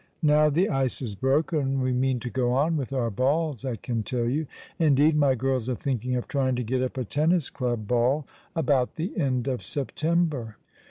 Now the ice is broken we mean to go on with our balls, I can tell you. Indeed, my girls are thinking of trying to get up a tennis club ball about the end of September."